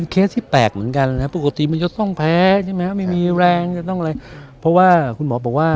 ความที่มันแพ้น้อยมากนะฮะ